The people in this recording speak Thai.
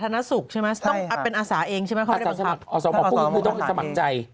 ก็คือต้องแบ่งสมัครใจ